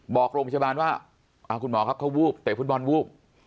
บอกโรงพยาบาลว่าคุณหมอครับเขาวูบเตะฟุตบอลวูบ